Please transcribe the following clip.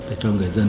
để cho người dân